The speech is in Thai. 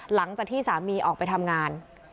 หลังจากที่สามีออกไปทำงาน